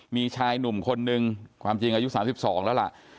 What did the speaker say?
มีชายหนุ่มคนนึงความจริงอายุสามสิบสองแล้วล่ะ